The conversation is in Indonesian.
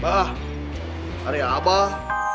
bah hari abah